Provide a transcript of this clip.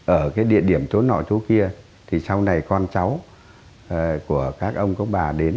ở cái địa điểm chỗ nọ chỗ kia thì sau này con cháu của các ông có bà đến